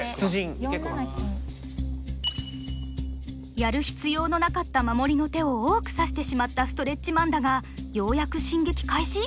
やる必要のなかった守りの手を多く指してしまったストレッチマンだがようやく進撃開始？